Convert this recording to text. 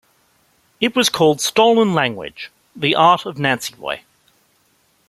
It was called "Stolen Language - the art of Nancyboy".